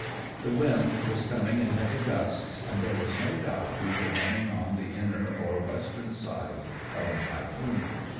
The wind was coming in heavy gusts, and there was no doubt we were running on the inner or western side of a typhoon.